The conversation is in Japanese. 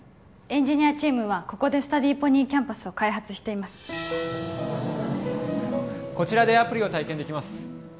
エンジニアチームはここでスタディーポニーキャンパスを開発していますはあこちらでアプリを体験できます